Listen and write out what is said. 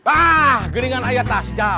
ah geringan ayah tak setia